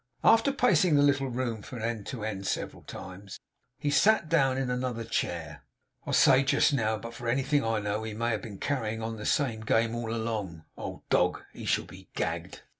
After pacing the little room from end to end several times, he sat down in another chair. 'I say just now, but for anything I know, he may have been carrying on the same game all along. Old dog! He shall be gagged!